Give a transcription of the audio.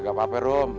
gak apa apa rom